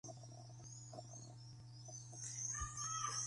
მდებარეობს ხმელნიცკის ოლქში.